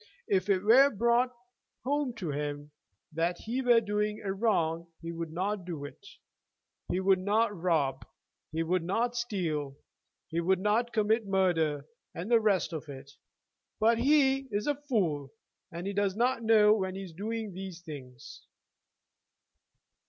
If it were brought home to him that he were doing a wrong he would not do it. He would not rob; he would not steal; he must not commit murder, and the rest of it. But he is a fool, and he does not know when he is doing these things."